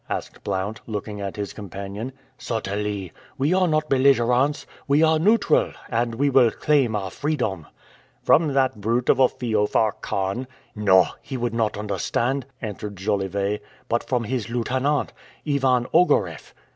asked Blount, looking at his companion. "Certainly. We are not belligerents; we are neutral, and we will claim our freedom." "From that brute of a Feofar Khan?" "No; he would not understand," answered Jolivet; "but from his lieutenant, Ivan Ogareff."